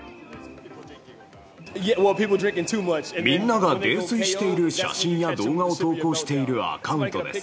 みんなが泥酔している写真や動画を投稿しているアカウントです。